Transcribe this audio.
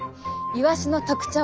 イワシの特徴。